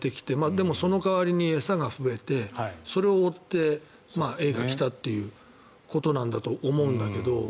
でもその代わりに餌が増えてそれを追ってエイが来たということなんだと思うんだけど。